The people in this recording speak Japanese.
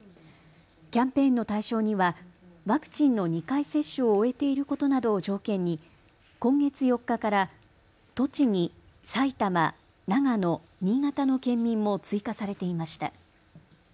キャンペーンの対象にはワクチンの２回接種を終えていることなどを条件に今月４日から栃木、埼玉、長野、新潟の県民も追加されていました。